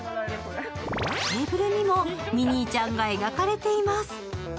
テーブルにもミニーちゃんが描かれています。